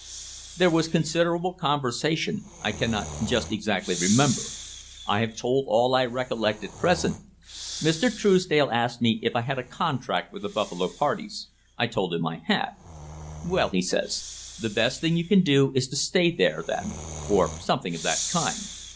There was considerable conversation I cannot just exactly remember; I have told all I recollect at present. Mr. Truesdale asked me if I had a contract with the Buffalo parties; I told him I had; 'Well/ he says, 'the best thing you can do is to stay there, then,' or something of that kind.